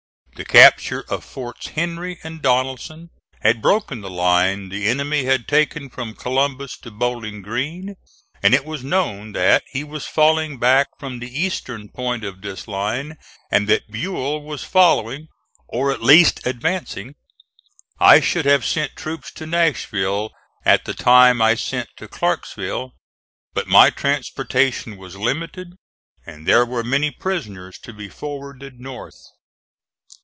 The capture of forts Henry and Donelson had broken the line the enemy had taken from Columbus to Bowling Green, and it was known that he was falling back from the eastern point of this line and that Buell was following, or at least advancing. I should have sent troops to Nashville at the time I sent to Clarksville, but my transportation was limited and there were many prisoners to be forwarded north.